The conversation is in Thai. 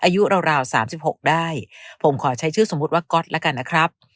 สามสิบหกได้ผมขอใช้ชื่อสมมุติว่าก็อตแล้วกันนะครับ